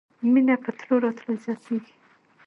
مینه په تلو راتلو زیاتیږي